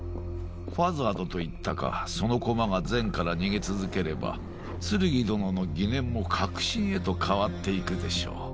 ファザードといったかその駒がゼンから逃げ続ければツルギ殿の疑念も確信へと変わっていくでしょう。